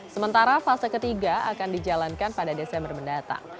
sementara fase ketiga akan dijalankan pada desember mendatang